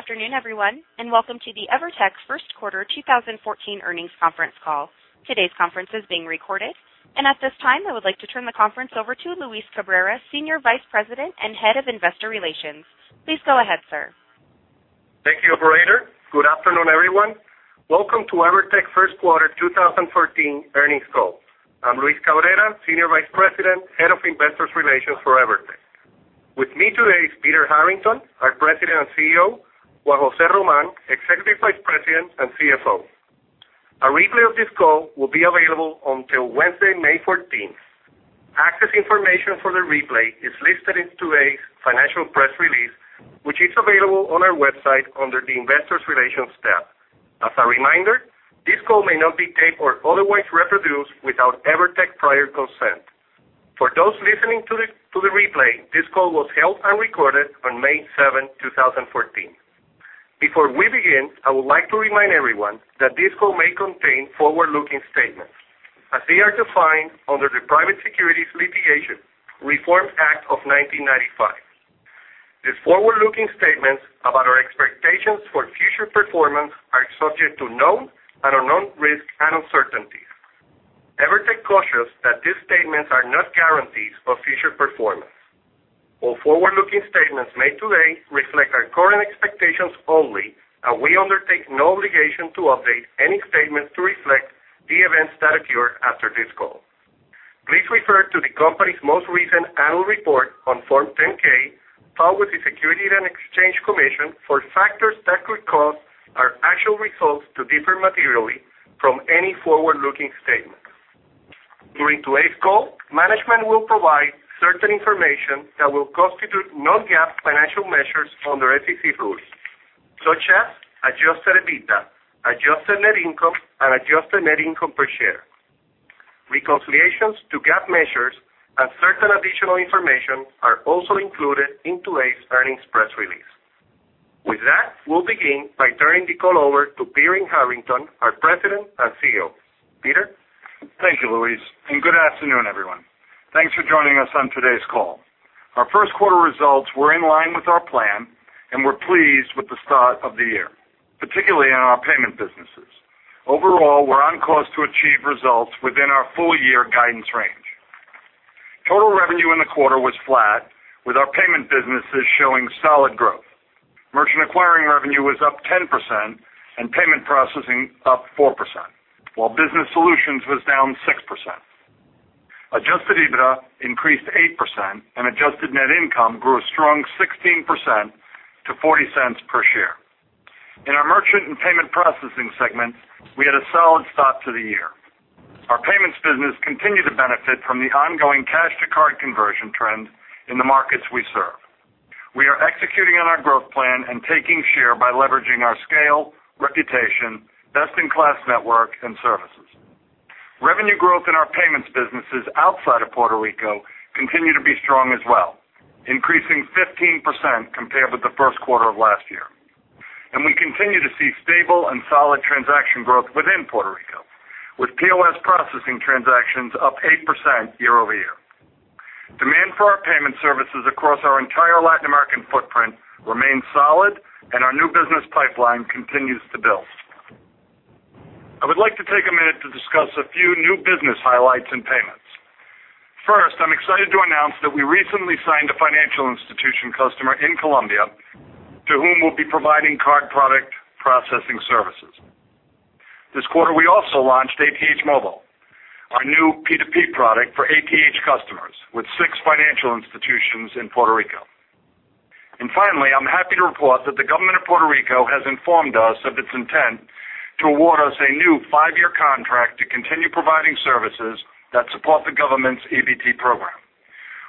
Afternoon, everyone. Welcome to the EVERTEC first quarter 2014 earnings conference call. Today's conference is being recorded, and at this time, I would like to turn the conference over to Luis Cabrera, Senior Vice President and Head of Investor Relations. Please go ahead, sir. Thank you, operator. Good afternoon, everyone. Welcome to EVERTEC first quarter 2014 earnings call. I'm Luis Cabrera, Senior Vice President, Head of Investor Relations for EVERTEC. With me today is Peter Harrington, our President and CEO. Juan José Román, Executive Vice President and CFO. A replay of this call will be available until Wednesday, May 14th. Access information for the replay is listed in today's financial press release, which is available on our website under the Investor Relations tab. As a reminder, this call may not be taped or otherwise reproduced without EVERTEC prior consent. For those listening to the replay, this call was held and recorded on May 7, 2014. Before we begin, I would like to remind everyone that this call may contain forward-looking statements as they are defined under the Private Securities Litigation Reform Act of 1995. These forward-looking statements about our expectations for future performance are subject to known and unknown risks and uncertainties. EVERTEC cautions that these statements are not guarantees of future performance. All forward-looking statements made today reflect our current expectations only, and we undertake no obligation to update any statement to reflect the events that occur after this call. Please refer to the company's most recent annual report on Form 10-K filed with the Securities and Exchange Commission for factors that could cause our actual results to differ materially from any forward-looking statement. During today's call, management will provide certain information that will constitute non-GAAP financial measures under SEC rules, such as adjusted EBITDA, adjusted net income, and adjusted net income per share. Reconciliations to GAAP measures and certain additional information are also included in today's earnings press release. With that, we'll begin by turning the call over to Peter Harrington, our President and CEO. Peter? Thank you, Luis, and good afternoon, everyone. Thanks for joining us on today's call. Our first quarter results were in line with our plan, and we're pleased with the start of the year, particularly in our payment businesses. Overall, we're on course to achieve results within our full-year guidance range. Total revenue in the quarter was flat, with our payment businesses showing solid growth. Merchant acquiring revenue was up 10% and payment processing up 4%, while Business Solutions was down 6%. Adjusted EBITDA increased 8%, and adjusted net income grew a strong 16% to $0.40 per share. In our Merchant and Payment Processing segment, we had a solid start to the year. Our payments business continued to benefit from the ongoing cash to card conversion trend in the markets we serve. We are executing on our growth plan and taking share by leveraging our scale, reputation, best-in-class network, and services. Revenue growth in our payments businesses outside of Puerto Rico continue to be strong as well, increasing 15% compared with the first quarter of last year. We continue to see stable and solid transaction growth within Puerto Rico, with POS processing transactions up 8% year-over-year. Demand for our payment services across our entire Latin American footprint remains solid, and our new business pipeline continues to build. I would like to take a minute to discuss a few new business highlights and payments. First, I'm excited to announce that we recently signed a financial institution customer in Colombia to whom we'll be providing card product processing services. This quarter, we also launched ATH Móvil, our new P2P product for ATH customers with six financial institutions in Puerto Rico. Finally, I'm happy to report that the government of Puerto Rico has informed us of its intent to award us a new five-year contract to continue providing services that support the government's EBT program.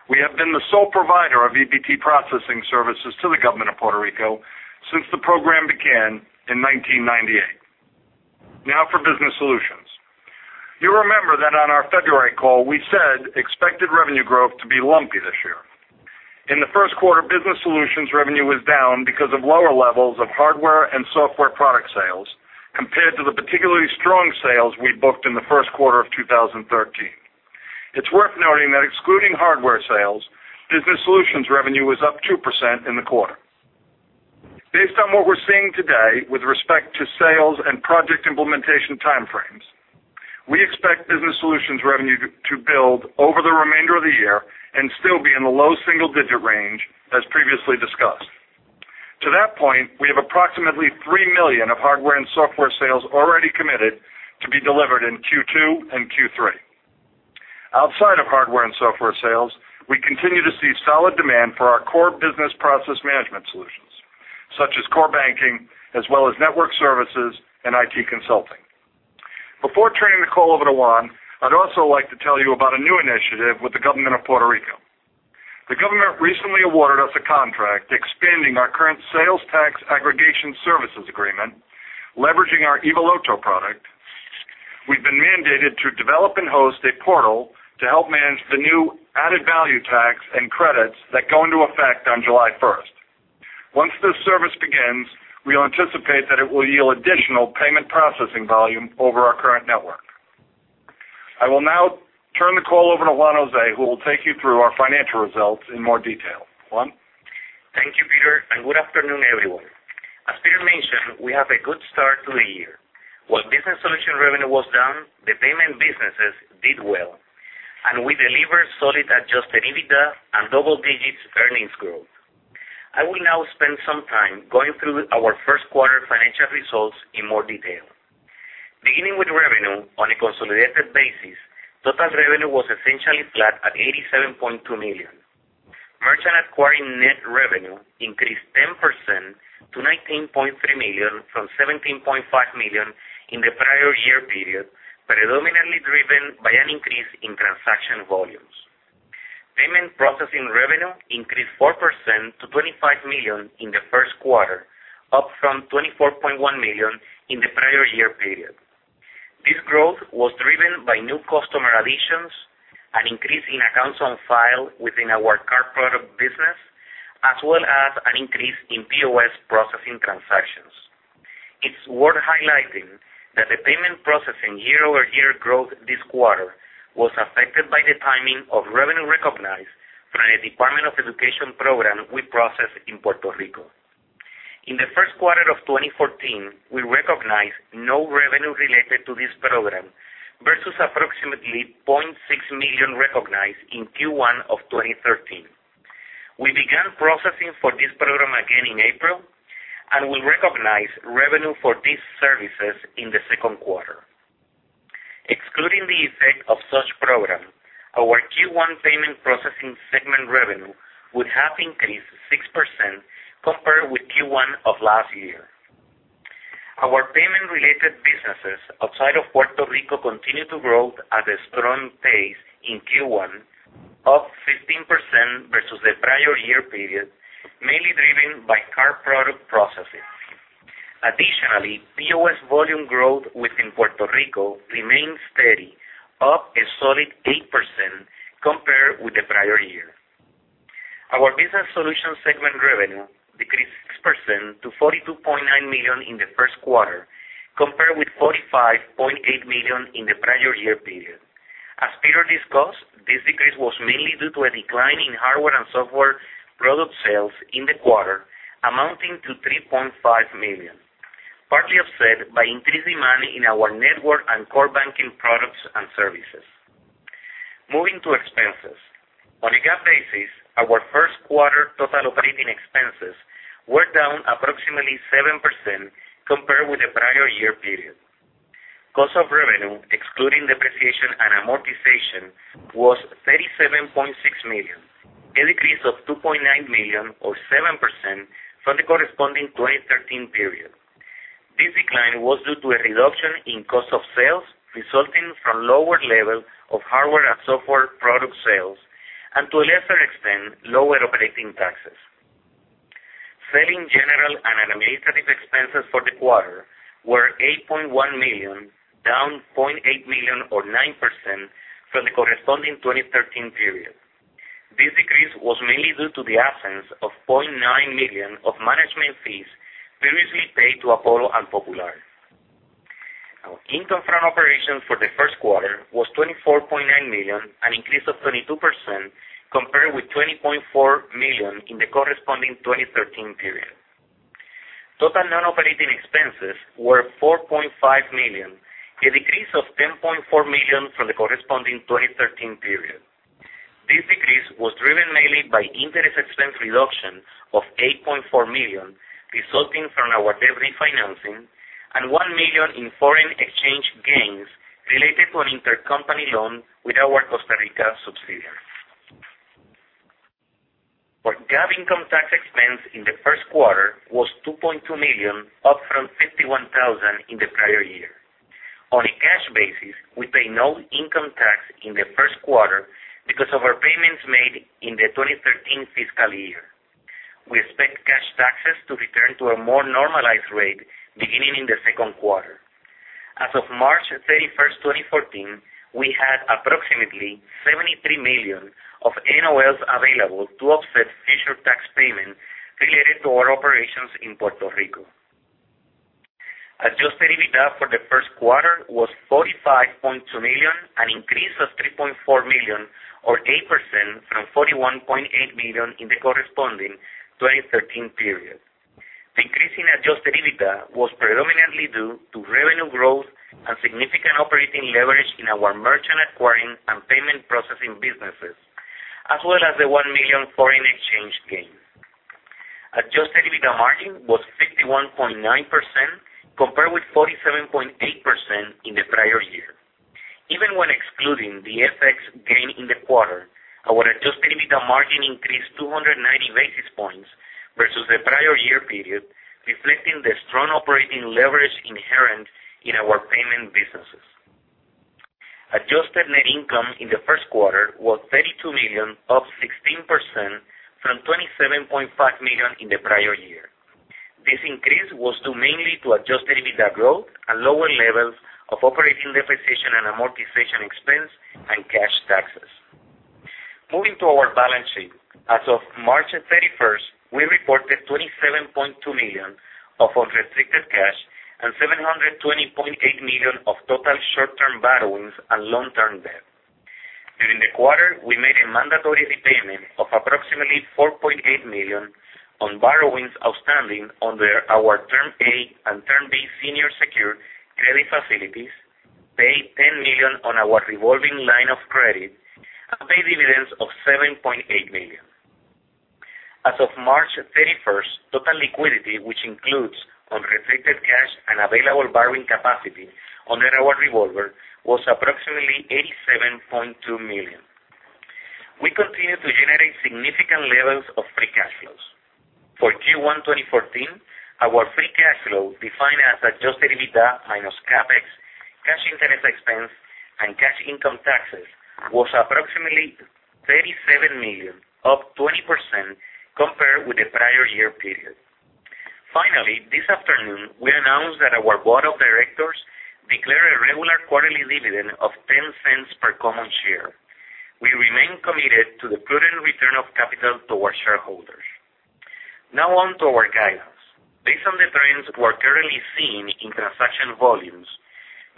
We have been the sole provider of EBT processing services to the government of Puerto Rico since the program began in 1998. Now for Business Solutions. You remember that on our February call, we said expected revenue growth to be lumpy this year. In the first quarter, Business Solutions revenue was down because of lower levels of hardware and software product sales compared to the particularly strong sales we booked in the first quarter of 2013. It's worth noting that excluding hardware sales, Business Solutions revenue was up 2% in the quarter. Based on what we're seeing today with respect to sales and project implementation timeframes, we expect Business Solutions revenue to build over the remainder of the year and still be in the low single-digit range, as previously discussed. To that point, we have approximately $3 million of hardware and software sales already committed to be delivered in Q2 and Q3. Outside of hardware and software sales, we continue to see solid demand for our core business process management solutions, such as core banking, as well as network services and IT consulting. Before turning the call over to Juan, I'd also like to tell you about a new initiative with the government of Puerto Rico. The government recently awarded us a contract expanding our current sales tax aggregation services agreement, leveraging our Evaloto product. We've been mandated to develop and host a portal to help manage the new added value tax and credits that go into effect on July 1st. Once this service begins, we anticipate that it will yield additional payment processing volume over our current network. I will now turn the call over to Juan José, who will take you through our financial results in more detail. Juan? Thank you, Peter, and good afternoon, everyone. As Peter mentioned, we have a good start to the year. While Business Solution revenue was down, the payment businesses did well, and we delivered solid adjusted EBITDA and double-digit earnings growth. I will now spend some time going through our first quarter financial results in more detail. Beginning with revenue on a consolidated basis, total revenue was essentially flat at $87.2 million. Merchant acquiring net revenue increased 10% to $19.3 million from $17.5 million in the prior year period, predominantly driven by an increase in transaction volumes. Payment processing revenue increased 4% to $25 million in the first quarter, up from $24.1 million in the prior year period. This growth was driven by new customer additions, an increase in accounts on file within our card product business, as well as an increase in POS processing transactions. It's worth highlighting that the payment processing year-over-year growth this quarter was affected by the timing of revenue recognized from the Puerto Rico Department of Education program we process in Puerto Rico. In the first quarter of 2014, we recognized no revenue related to this program versus approximately $0.6 million recognized in Q1 of 2013. We began processing for this program again in April and will recognize revenue for these services in the second quarter. Excluding the effect of such program, our Q1 payment processing segment revenue would have increased 6% compared with Q1 of last year. Our payment-related businesses outside of Puerto Rico continue to grow at a strong pace in Q1, up 15% versus the prior year period, mainly driven by card product processing. Additionally, POS volume growth within Puerto Rico remains steady, up a solid 8% compared with the prior year. Our Business Solutions segment revenue decreased 6% to $42.9 million in the first quarter, compared with $45.8 million in the prior year period. As Peter discussed, this decrease was mainly due to a decline in hardware and software product sales in the quarter, amounting to $3.5 million, partly offset by increasing money in our network and core banking products and services. Moving to expenses. On a GAAP basis, our first quarter total operating expenses were down approximately 7% compared with the prior year period. Cost of revenue, excluding depreciation and amortization, was $37.6 million, a decrease of $2.9 million or 7% from the corresponding 2013 period. This decline was due to a reduction in cost of sales resulting from lower levels of hardware and software product sales, and to a lesser extent, lower operating taxes. Selling, general, and administrative expenses for the quarter were $8.1 million, down $0.8 million or 9% from the corresponding 2013 period. This decrease was mainly due to the absence of $0.9 million of management fees previously paid to Apollo and Popular. Our income from operations for the first quarter was $24.9 million, an increase of 22% compared with $20.4 million in the corresponding 2013 period. Total non-operating expenses were $4.5 million, a decrease of $10.4 million from the corresponding 2013 period. This decrease was driven mainly by interest expense reduction of $8.4 million, resulting from our debt refinancing and $1 million in foreign exchange gains related to an intercompany loan with our Costa Rica subsidiary. Our GAAP income tax expense in the first quarter was $2.2 million, up from $51,000 in the prior year. On a cash basis, we pay no income tax in the first quarter because of our payments made in the 2013 fiscal year. We expect cash taxes to return to a more normalized rate beginning in the second quarter. As of March 31st, 2014, we had approximately $73 million of NOLs available to offset future tax payments related to our operations in Puerto Rico. Adjusted EBITDA for the first quarter was $45.2 million, an increase of $3.4 million or 8% from $41.8 million in the corresponding 2013 period. The increase in adjusted EBITDA was predominantly due to revenue growth and significant operating leverage in our merchant acquiring and payment processing businesses, as well as the $1 million foreign exchange gain. Adjusted EBITDA margin was 51.9% compared with 47.8% in the prior year. Even when excluding the FX gain in the quarter, our adjusted EBITDA margin increased 290 basis points versus the prior year period, reflecting the strong operating leverage inherent in our payment businesses. Adjusted net income in the first quarter was $32 million, up 16% from $27.5 million in the prior year. This increase was due mainly to adjusted EBITDA growth and lower levels of operating depreciation and amortization expense and cash taxes. Moving to our balance sheet. As of March 31st, we reported $27.2 million of unrestricted cash and $720.8 million of total short-term borrowings and long-term debt. During the quarter, we made a mandatory repayment of approximately $4.8 million on borrowings outstanding under our Term A and Term B senior secured credit facilities, paid $10 million on our revolving line of credit, and paid dividends of $7.8 million. As of March 31st, total liquidity, which includes unrestricted cash and available borrowing capacity under our revolver, was approximately $87.2 million. We continue to generate significant levels of free cash flows. For Q1 2014, our free cash flow, defined as adjusted EBITDA minus CapEx, cash interest expense, and cash income taxes, was approximately $37 million, up 20% compared with the prior year period. Finally, this afternoon we announced that our board of directors declared a regular quarterly dividend of $0.10 per common share. We remain committed to the prudent return of capital to our shareholders. Now on to our guidance. Based on the trends we're currently seeing in transaction volumes,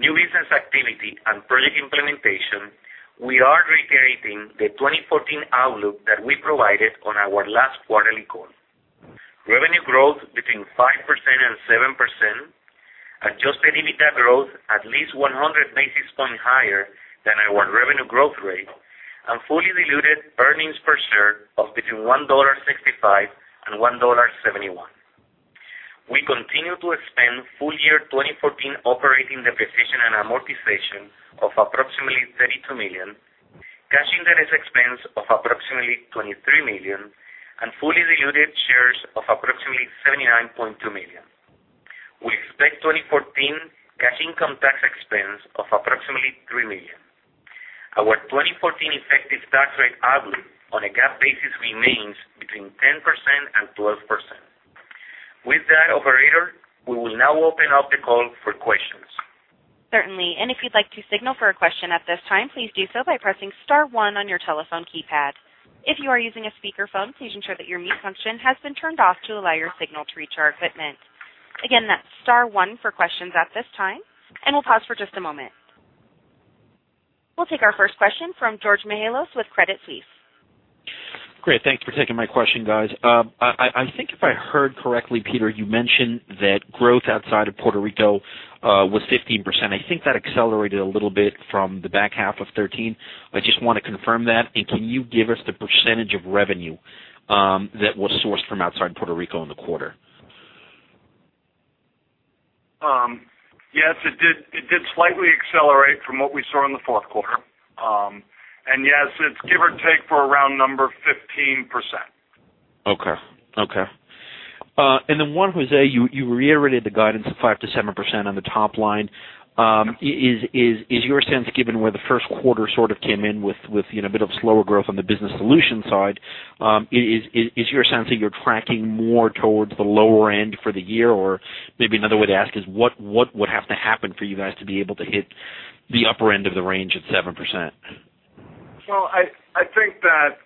new business activity, and project implementation, we are reiterating the 2014 outlook that we provided on our last quarterly call. Revenue growth between 5% and 7%, adjusted EBITDA growth at least 100 basis points higher than our revenue growth rate, and fully diluted earnings per share of between $1.65 and $1.71. We continue to expect full year 2014 operating depreciation and amortization of approximately $32 million, cash interest expense of approximately $23 million, and fully diluted shares of approximately 79.2 million. We expect 2014 cash income tax expense of approximately $3 million. Our 2014 effective tax rate outlook on a GAAP basis remains between 10% and 12%. With that, operator, we will now open up the call for questions. Certainly. If you'd like to signal for a question at this time, please do so by pressing star one on your telephone keypad. If you are using a speakerphone, please ensure that your mute function has been turned off to allow your signal to reach our equipment. Again, that's star one for questions at this time, and we'll pause for just a moment. We'll take our first question from Georgios Mihalos with Credit Suisse. Great. Thank you for taking my question, guys. I think if I heard correctly, Peter, you mentioned that growth outside of Puerto Rico was 15%. I think that accelerated a little bit from the back half of 2013. I just want to confirm that. Can you give us the percentage of revenue that was sourced from outside Puerto Rico in the quarter? Yes, it did slightly accelerate from what we saw in the fourth quarter. Yes, it's give or take for around number 15%. Then Juan José, you reiterated the guidance of 5%-7% on the top line. Is your sense, given where the first quarter sort of came in with a bit of slower growth on the business solution side, is your sense that you're tracking more towards the lower end for the year? Or maybe another way to ask is what would have to happen for you guys to be able to hit the upper end of the range at 7%? I think that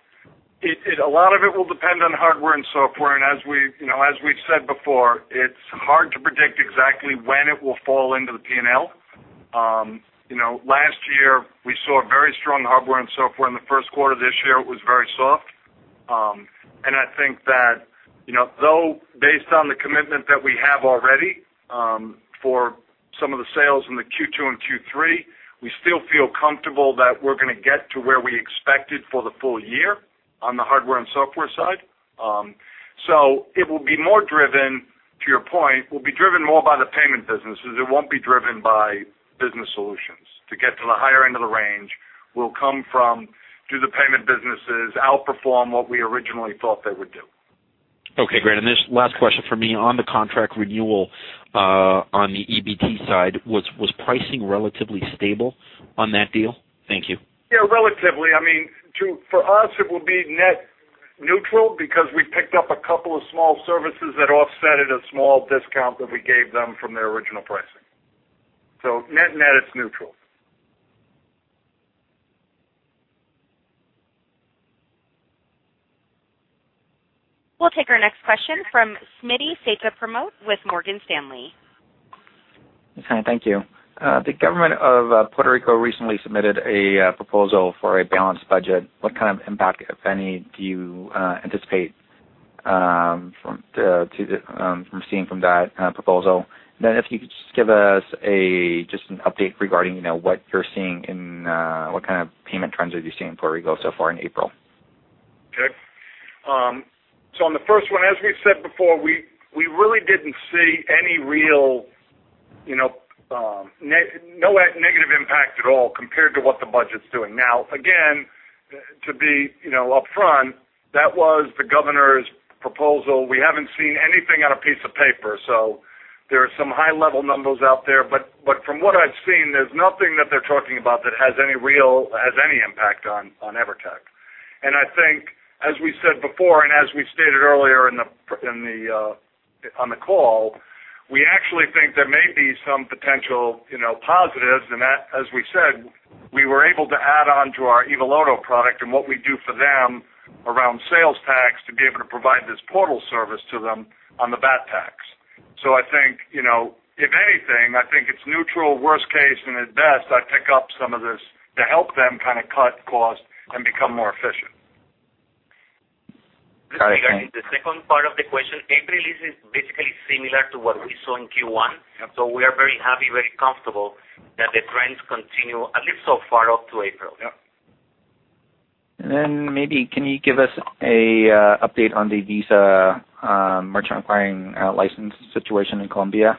a lot of it will depend on hardware and software. As we've said before, it's hard to predict exactly when it will fall into the P&L. Last year we saw very strong hardware and software. In the first quarter of this year, it was very soft. I think that though based on the commitment that we have already for some of the sales in the Q2 and Q3, we still feel comfortable that we're going to get to where we expected for the full year on the hardware and software side. To your point, it will be driven more by the payment businesses. It won't be driven by Business Solutions. To get to the higher end of the range will come from do the payment businesses outperform what we originally thought they would do. Okay, great. This last question from me on the contract renewal on the EBT side. Was pricing relatively stable on that deal? Thank you. Yeah, relatively. For us, it will be net neutral because we picked up a couple of small services that offset at a small discount that we gave them from their original pricing. Net-net, it's neutral. We'll take our next question from Smitty Setiapromot with Morgan Stanley. Okay, thank you. The government of Puerto Rico recently submitted a proposal for a balanced budget. What kind of impact, if any, do you anticipate from seeing from that proposal? If you could just give us just an update regarding what kind of payment trends are you seeing in Puerto Rico so far in April? Okay. On the first one, as we've said before, we really didn't see any real negative impact at all compared to what the budget's doing. Again, to be upfront, that was the governor's proposal. We haven't seen anything on a piece of paper. There are some high-level numbers out there. From what I've seen, there's nothing that they're talking about that has any impact on EVERTEC. I think as we said before, and as we stated earlier on the call. We actually think there may be some potential positives and as we said, we were able to add on to our Evoluto product and what we do for them around sales tax to be able to provide this portal service to them on the VAT tax. I think, if anything, I think it's neutral, worst case, and at best, I pick up some of this to help them kind of cut costs and become more efficient. Got it. Thank you. Just regarding the second part of the question, April is basically similar to what we saw in Q1. Yep. We are very happy, very comfortable that the trends continue at least so far up to April. Yep. Maybe can you give us an update on the Visa merchant acquiring license situation in Colombia?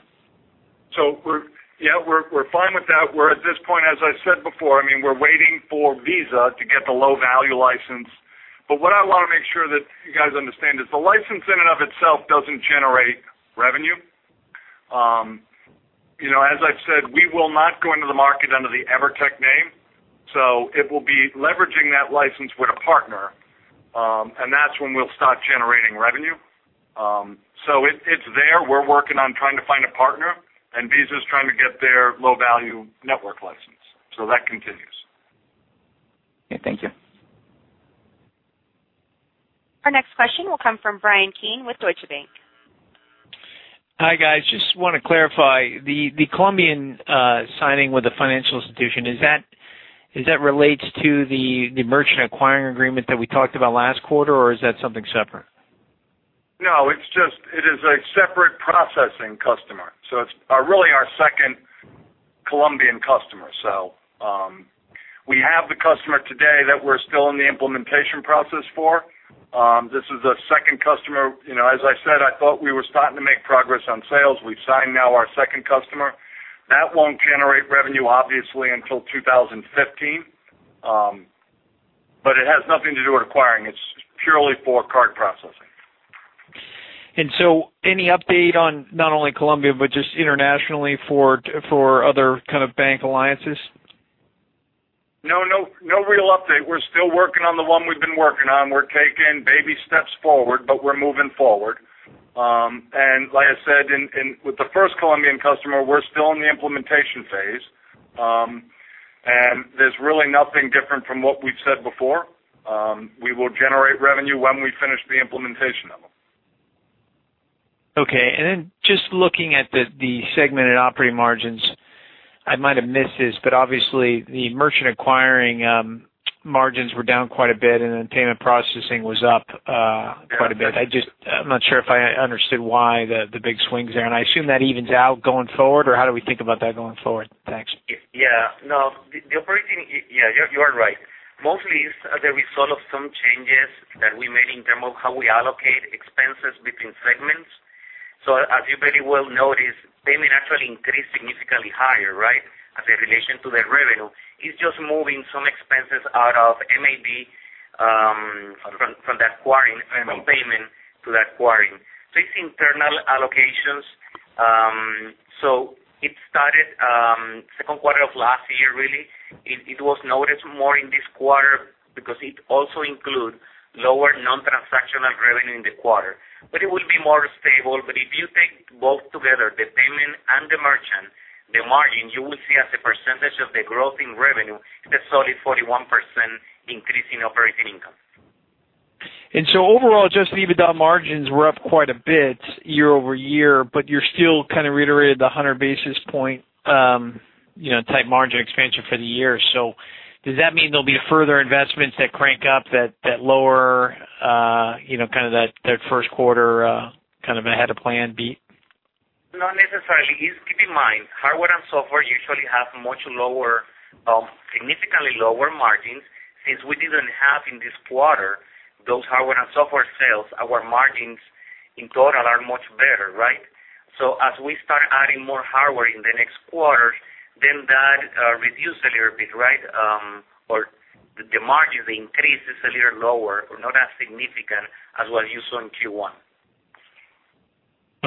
We're fine with that. We're at this point, as I said before, we're waiting for Visa to get the low-value license. What I want to make sure that you guys understand is the license in and of itself doesn't generate revenue. As I've said, we will not go into the market under the EVERTEC name. It will be leveraging that license with a partner. That's when we'll start generating revenue. It's there. We're working on trying to find a partner and Visa is trying to get their low-value network license. That continues. Okay. Thank you. Our next question will come from Bryan Keane with Deutsche Bank. Hi, guys. Just want to clarify the Colombian signing with the financial institution. Is that relates to the merchant acquiring agreement that we talked about last quarter or is that something separate? No, it is a separate processing customer. It's really our second Colombian customer. We have the customer today that we're still in the implementation process for. This is a second customer. As I said, I thought we were starting to make progress on sales. We've signed now our second customer. That won't generate revenue, obviously, until 2015. It has nothing to do with acquiring. It's purely for card processing. Any update on not only Colombia, but just internationally for other kind of bank alliances? No real update. We're still working on the one we've been working on. We're taking baby steps forward, but we're moving forward. Like I said, with the first Colombian customer, we're still in the implementation phase. There's really nothing different from what we've said before. We will generate revenue when we finish the implementation of them. Okay. Just looking at the segmented operating margins. I might have missed this, but obviously the Merchant Acquiring margins were down quite a bit and then Payment Processing was up quite a bit. I'm not sure if I understood why the big swings there, and I assume that evens out going forward, or how do we think about that going forward? Thanks. Yeah. You are right. Mostly it's the result of some changes that we made in terms of how we allocate expenses between segments. As you very well noticed, Payment actually increased significantly higher, right? As a relation to the revenue. It's just moving some expenses out of Merchant Payment to Acquiring. It started second quarter of last year really. It was noticed more in this quarter because it also include lower non-transactional revenue in the quarter. It will be more stable. If you take both together, the Payment and the Merchant, the margin, you will see as a percentage of the growth in revenue, the solid 41% increase in operating income. Overall, just EBITDA margins were up quite a bit year-over-year. You still kind of reiterated the 100 basis point type margin expansion for the year. Does that mean there'll be further investments that crank up that lower kind of that first quarter kind of ahead of plan beat? Not necessarily. Just keep in mind, hardware and software usually have much lower, significantly lower margins. We didn't have in this quarter those hardware and software sales, our margins in total are much better, right? As we start adding more hardware in the next quarters, then that reduces a little bit. The margin increases a little lower or not as significant as what you saw in Q1.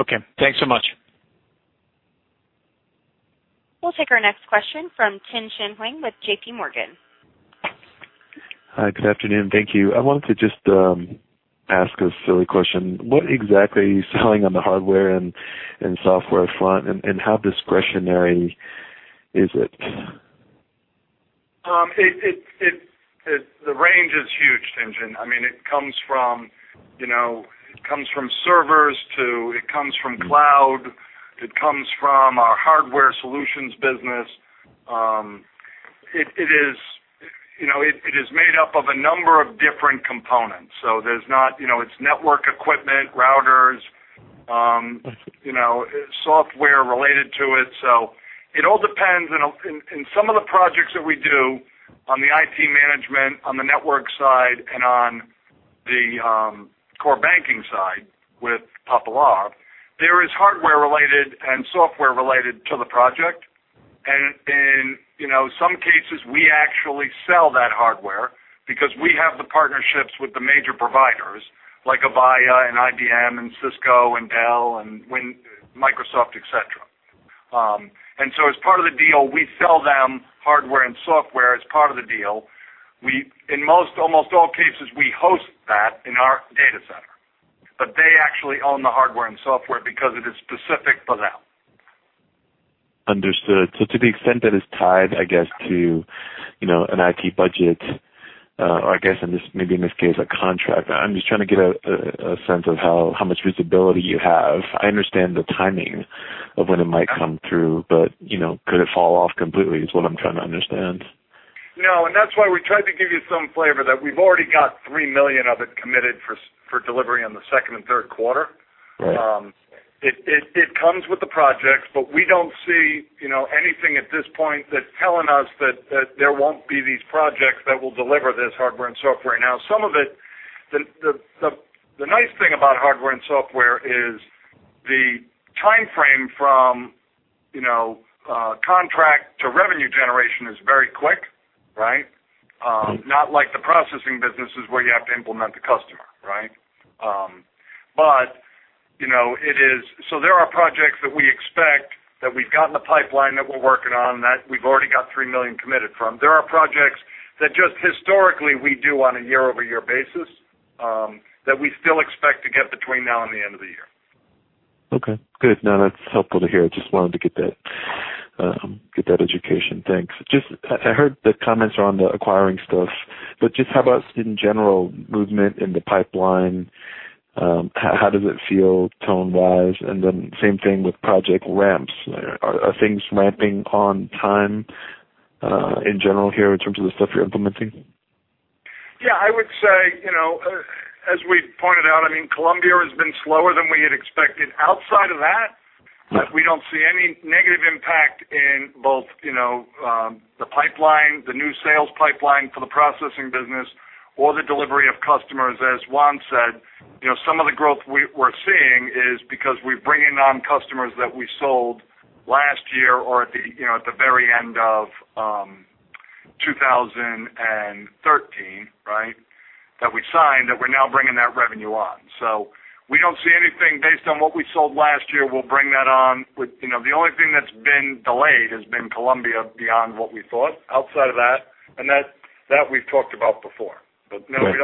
Okay. Thanks so much. We'll take our next question from Tien-tsin Huang with JPMorgan. Hi. Good afternoon. Thank you. I wanted to just ask a silly question. What exactly are you selling on the hardware and software front, and how discretionary is it? The range is huge, Tien-tsin. It comes from servers to it comes from cloud. It comes from our hardware solutions business. It is made up of a number of different components. It's network equipment, routers- Okay. Software related to it. It all depends. In some of the projects that we do on the IT management, on the network side, and on the core banking side with Popular, there is hardware related and software related to the project. In some cases, we actually sell that hardware because we have the partnerships with the major providers like Avaya and IBM and Cisco and Dell and Microsoft, et cetera. As part of the deal, we sell them hardware and software as part of the deal. In almost all cases, we host that in our data center, but they actually own the hardware and software because it is specific for them. Understood. To the extent that is tied, I guess, to an IT budget, or I guess maybe in this case, a contract. I'm just trying to get a sense of how much visibility you have. I understand the timing of when it might come through, could it fall off completely is what I'm trying to understand. No, that's why we tried to give you some flavor that we've already got $3 million of it committed for delivery in the second and third quarter. Right. It comes with the projects, we don't see anything at this point that's telling us that there won't be these projects that will deliver this hardware and software. The nice thing about hardware and software is the timeframe from contract to revenue generation is very quick, right? Not like the processing businesses where you have to implement the customer, right? There are projects that we expect that we've got in the pipeline that we're working on, that we've already got $3 million committed from. There are projects that just historically we do on a year-over-year basis, that we still expect to get between now and the end of the year. Okay, good. No, that's helpful to hear. Just wanted to get that education. Thanks. I heard the comments on the acquiring stuff, just how about just in general movement in the pipeline, how does it feel tonewise? Then same thing with project ramps. Are things ramping on time, in general here, in terms of the stuff you're implementing? Yeah, I would say, as we pointed out, Colombia has been slower than we had expected. Outside of that- Right We don't see any negative impact in both the pipeline, the new sales pipeline for the processing business or the delivery of customers. As Juan said, some of the growth we're seeing is because we're bringing on customers that we sold last year or at the very end of 2013, right? That we signed, that we're now bringing that revenue on. We don't see anything based on what we sold last year. The only thing that's been delayed has been Colombia beyond what we thought. Outside of that, and that we've talked about before. Right. No, we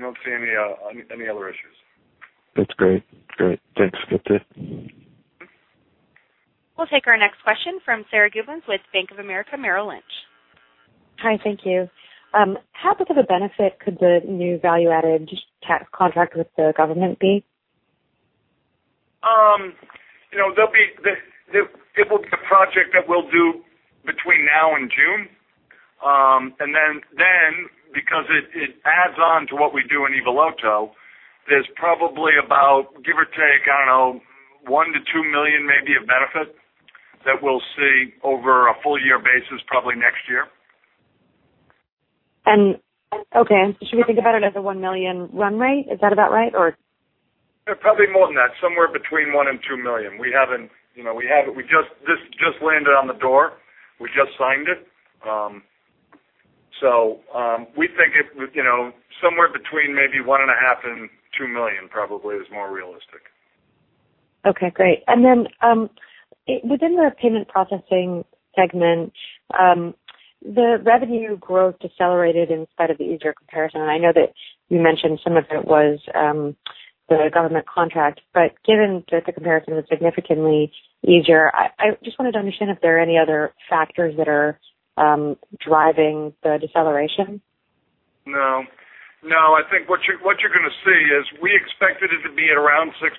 don't see any other issues. That's great. Thanks. That's it. We'll take our next question from Sarah Gubens with Bank of America Merrill Lynch. Hi, thank you. How big of a benefit could the new value-added contract with the government be? It will be a project that we'll do between now and June. Because it adds on to what we do in Evoluto, there's probably about, give or take, I don't know, $1 million-$2 million maybe of benefit that we'll see over a full-year basis, probably next year. Okay. Should we think about it as a $1 million run rate? Is that about right, or? Probably more than that. Somewhere between one and two million. This just landed on the door. We just signed it. We think somewhere between maybe one and a half and two million probably is more realistic. Okay, great. Within the payment processing segment, the revenue growth decelerated in spite of the easier comparison, and I know that you mentioned some of it was the government contract, but given that the comparison was significantly easier, I just wanted to understand if there are any other factors that are driving the deceleration. No. I think what you're going to see is we expected it to be at around 6%,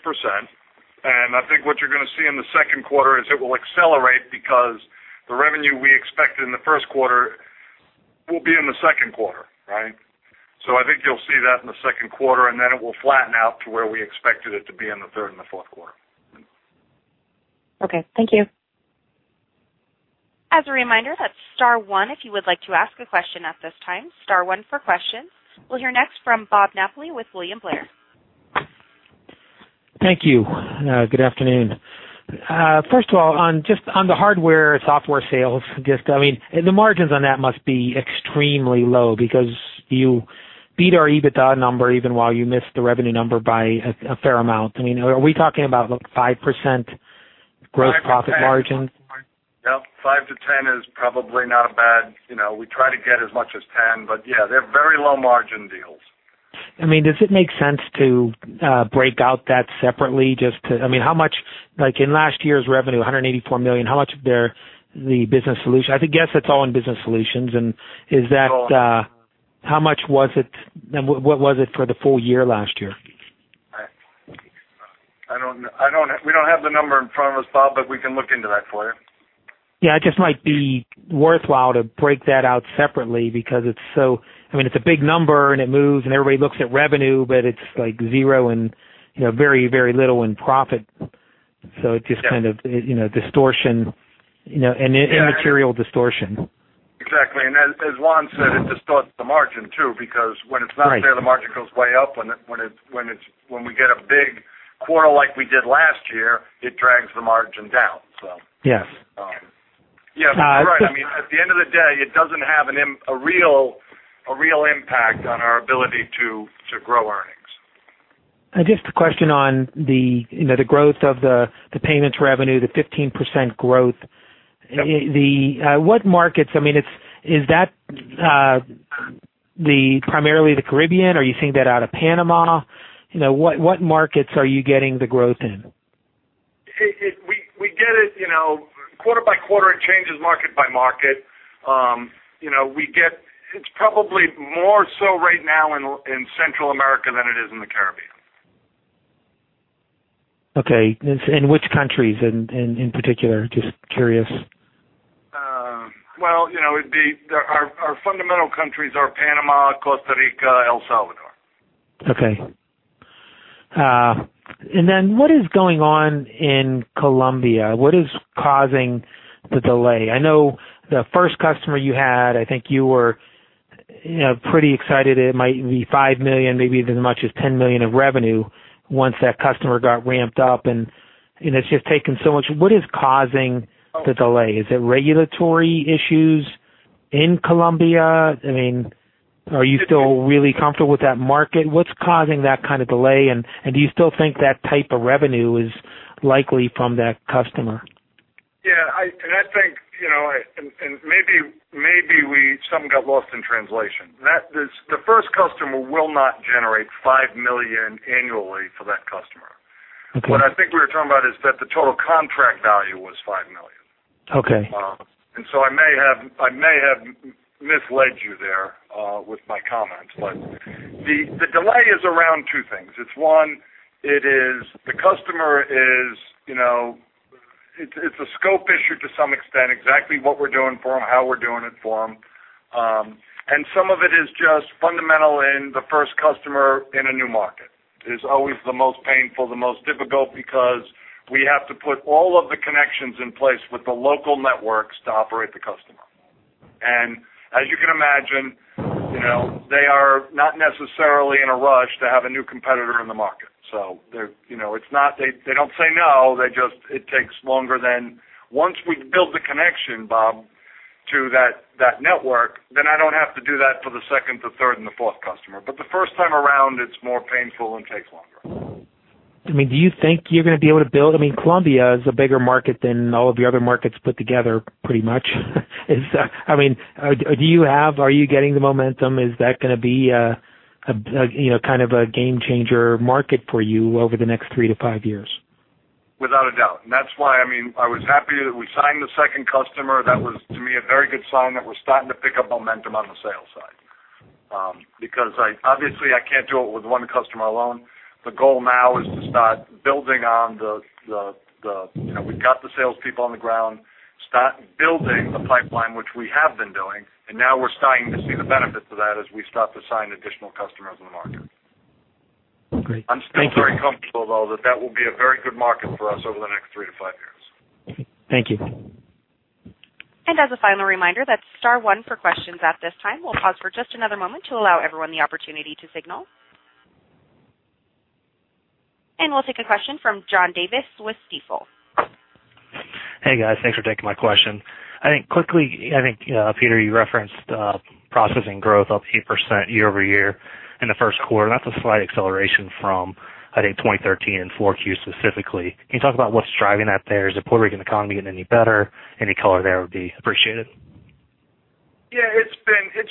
and I think what you're going to see in the second quarter is it will accelerate because the revenue we expected in the first quarter will be in the second quarter, right? I think you'll see that in the second quarter, and then it will flatten out to where we expected it to be in the third and the fourth quarter. Okay. Thank you. As a reminder, that's star one if you would like to ask a question at this time. Star one for questions. We'll hear next from Robert Napoli with William Blair. Thank you. Good afternoon. First of all, just on the hardware software sales, the margins on that must be extremely low because you beat our EBITDA number even while you missed the revenue number by a fair amount. Are we talking about 5% gross profit margin? Five to 10. Yep, five to 10 is probably not a bad. We try to get as much as 10, but yeah, they're very low-margin deals. Does it make sense to break out that separately? In last year's revenue, $184 million, how much of there I guess it's all in Business Solutions? How much was it? What was it for the full year last year? We don't have the number in front of us, Bob, but we can look into that for you. Yeah, it just might be worthwhile to break that out separately because it's a big number and it moves and everybody looks at revenue, but it's zero and very, very little in profit. Yeah distortion, an immaterial distortion. Exactly. As Juan said, it distorts the margin too, because when it's not there. Right The margin goes way up. When we get a big quarter like we did last year, it drags the margin down. Yes. Yeah, you're right. At the end of the day, it doesn't have a real impact on our ability to grow earnings. Just a question on the growth of the payments revenue, the 15% growth. Yep. What markets? Is that primarily the Caribbean, or are you seeing that out of Panama? What markets are you getting the growth in? Quarter by quarter, it changes market by market. It's probably more so right now in Central America than it is in the Caribbean. Okay. Which countries in particular? Just curious. Well, our fundamental countries are Panama, Costa Rica, El Salvador. Okay. What is going on in Colombia? What is causing the delay? I know the first customer you had, I think you were pretty excited. It might be $5 million, maybe even as much as $10 million of revenue once that customer got ramped up, and it's just taken so much. What is causing the delay? Is it regulatory issues in Colombia? Are you still really comfortable with that market? What's causing that kind of delay, and do you still think that type of revenue is likely from that customer? Yeah, I think maybe something got lost in translation. The first customer will not generate $5 million annually for that customer. Okay. What I think we were talking about is that the total contract value was $5 million. Okay. I may have misled you there with my comments. The delay is around two things. It's one, it's a scope issue to some extent, exactly what we're doing for them, how we're doing it for them. Some of it is just fundamental in the first customer in a new market. It is always the most painful, the most difficult, because we have to put all of the connections in place with the local networks to operate the customer. As you can imagine, they are not necessarily in a rush to have a new competitor in the market. They don't say no, it takes longer. Once we build the connection, Bob, to that network, then I don't have to do that for the second, the third, and the fourth customer. The first time around, it's more painful and takes longer. Do you think you're going to be able to build? Colombia is a bigger market than all of the other markets put together, pretty much. Are you getting the momentum? Is that going to be kind of a game changer market for you over the next three to five years? Without a doubt. That's why I was happy that we signed the second customer. That was, to me, a very good sign that we're starting to pick up momentum on the sales side. Obviously, I can't do it with one customer alone. We've got the salespeople on the ground, start building the pipeline, which we have been doing. Now we're starting to see the benefits of that as we start to sign additional customers in the market. Agreed. Thank you. I'm still very comfortable, though, that that will be a very good market for us over the next three to five years. Thank you. As a final reminder, that is star one for questions at this time. We will pause for just another moment to allow everyone the opportunity to signal. We will take a question from John Davis with Stifel. Hey, guys. Thanks for taking my question. Quickly, Peter Harrington, you referenced processing growth up 8% year-over-year in the first quarter. That is a slight acceleration from 2013 and 4Q specifically. Can you talk about what is driving that there? Is the Puerto Rican economy getting any better? Any color there would be appreciated. It has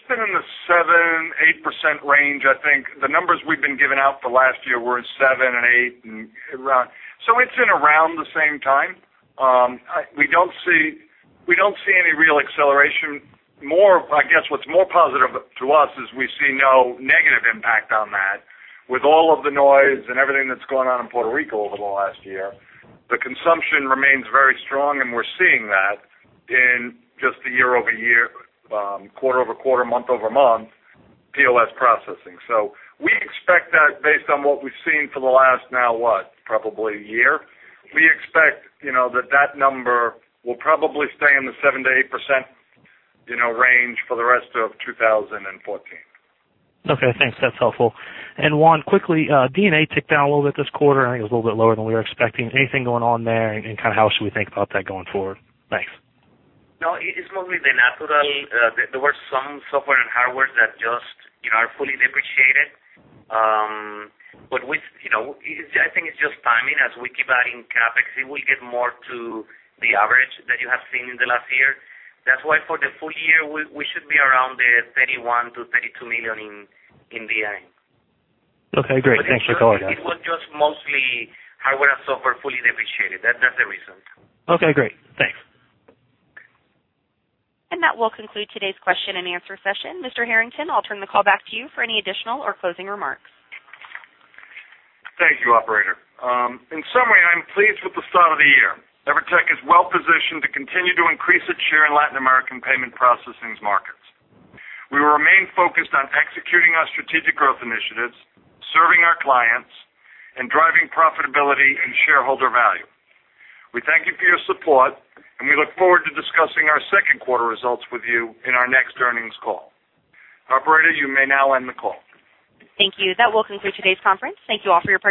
been in the 7%, 8% range. The numbers we have been giving out for the last year were at 7 and 8. It is in around the same time. We do not see any real acceleration. I guess what is more positive to us is we see no negative impact on that. With all of the noise and everything that has gone on in Puerto Rico over the last year, the consumption remains very strong, and we are seeing that in just the year-over-year, quarter-over-quarter, month-over-month POS processing. We expect that based on what we have seen for the last, now what? Probably a year. We expect that that number will probably stay in the 7% to 8% range for the rest of 2014. Okay, thanks. That is helpful. Juan José Román, quickly, D&A ticked down a little bit this quarter. It was a little bit lower than we were expecting. Anything going on there, and kind of how should we think about that going forward? Thanks. No, it's mostly the natural. There were some software and hardware that just are fully depreciated. I think it's just timing. As we keep adding CapEx, it will get more to the average that you have seen in the last year. That's why for the full year, we should be around the $31 million-$32 million in D&A. Okay, great. Thanks for the color, guys. It was just mostly hardware and software fully depreciated. That's the reason. Okay, great. Thanks. That will conclude today's question and answer session. Mr. Harrington, I'll turn the call back to you for any additional or closing remarks. Thank you, operator. In summary, I am pleased with the start of the year. EVERTEC is well-positioned to continue to increase its share in Latin American payment processing markets. We will remain focused on executing our strategic growth initiatives, serving our clients, and driving profitability and shareholder value. We thank you for your support, and we look forward to discussing our second quarter results with you in our next earnings call. Operator, you may now end the call. Thank you. That will conclude today's conference. Thank you all for your participation.